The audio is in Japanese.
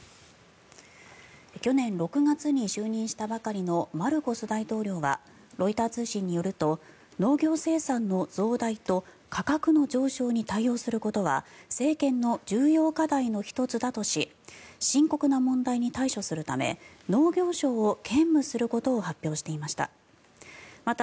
去年６月に就任したばかりのマルコス大統領はロイター通信によると農業生産の増大と価格の上昇に対応することは政権の重要課題の１つだとし深刻な問題に対処するため農業相を兼務することを発表していました。